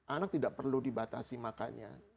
anak tidak perlu dibatasi makannya